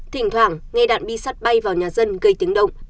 thỉnh thoảng nghe đạn bi sắt bay vào nhà dân gây tiếng động